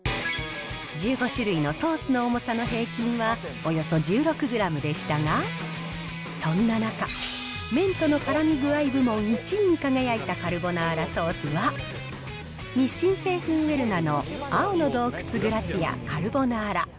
１５種類のソースの重さの平均はおよそ１６グラムでしたが、そんな中、麺とのからみ具合部門１位に輝いたカルボナーラソースは、日清製粉ウェルナの青の洞窟グラッツィアカルボナーラ。